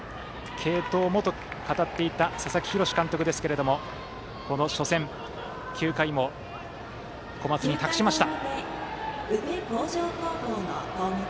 継投もと語っていた佐々木洋監督ですがこの初戦、９回も小松に託しました。